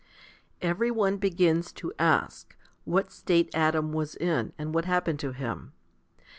10. Every one begins to ask, what state Adam was in, and what happened to him.